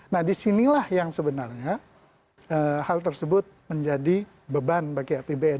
nah disinilah yang sebenarnya hal tersebut menjadi beban bagi apbn